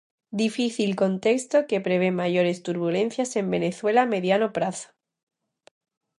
Difícil contexto que prevé maiores turbulencias en Venezuela a mediano prazo.